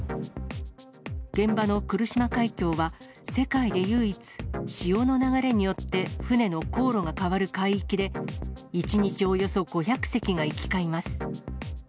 現場の来島海峡は世界で唯一、潮の流れによって船の航路が変わる海域で、１日およそ５００隻が行き交います。